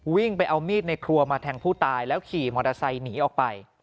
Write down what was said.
วิ่งไปเอามีดในครัวมาแทงผู้ตายแล้วขี่มอเตอร์ไซค์หนีออกไป